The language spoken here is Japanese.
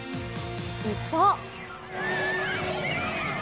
一方。